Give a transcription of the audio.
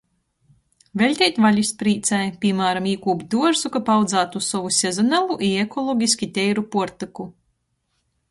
Veļteit valis prīcai, pīmāram, īkūpt duorzu, kab audzātu sovu sezonalu i ekologiski teiru puortyku.